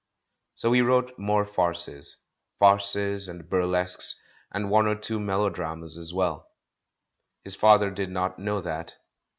So he wrote more farces — farces and bur lesques, and one or two melodramas as well. His father did not know that.